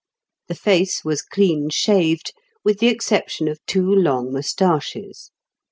The face was clean shaved, with the exception of two long moustaches.